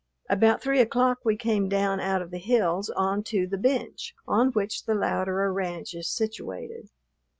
About three o'clock we came down out of the hills on to the bench on which the Louderer ranch is situated.